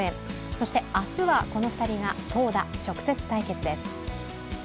そして明日はこの２人が投打直接対決です。